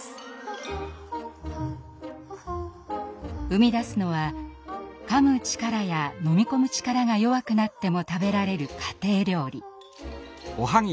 生み出すのはかむ力や飲み込む力が弱くなっても食べられる家庭料理。